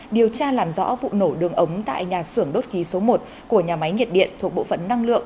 điều tra làm rõ vụ nổ đường ống tại nhà xưởng đốt khí số một của nhà máy nhiệt điện thuộc bộ phận năng lượng